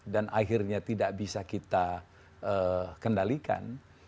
dan akhirnya tidak bisa kita kendalikan